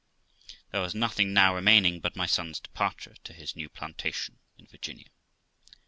There was nothing now remaining but my son's departure to his new plantation in Virginia.